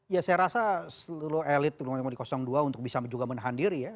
ya saya rasa seluruh elit terutama di dua untuk bisa juga menahan diri ya